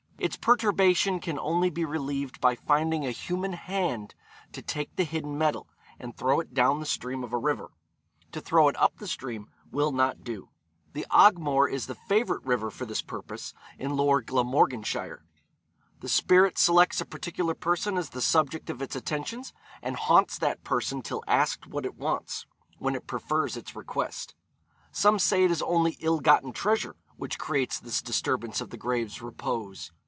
Its perturbation can only be relieved by finding a human hand to take the hidden metal, and throw it down the stream of a river. To throw it up the stream, will not do. The Ogmore is the favourite river for this purpose in lower Glamorganshire. The spirit selects a particular person as the subject of its attentions, and haunts that person till asked what it wants, when it prefers its request. Some say it is only ill gotten treasure which creates this disturbance of the grave's repose.